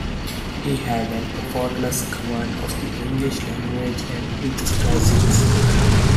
He had an effortless command of the English language and its classics.